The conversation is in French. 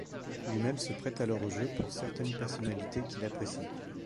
Lui-même se prête alors au jeu pour certaines personnalités qu’il apprécie.